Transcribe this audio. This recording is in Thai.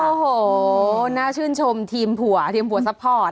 โอ้โหน่าชื่นชมทีมผัวทีมผัวซัพพอร์ต